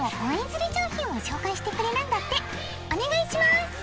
お願いします！